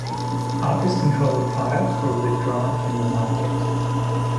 Office controller products were withdrawn from the market.